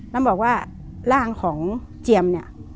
นางบอกว่าร่างของเจียมน่ะ